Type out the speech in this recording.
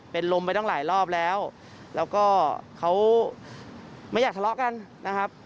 เป็นลมไปตั้งหลายรอบแล้วแล้วก็เขาไม่อยากทะเลาะกันนะครับ